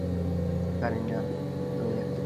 Cardinal, আমি একা যেতে দিতে পারি আপনাকে।